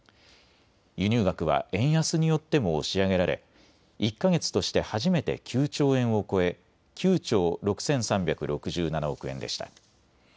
輸入額は円安によっても押し上げられ、１か月として初めて９兆円を超え９兆６３６７億円でした。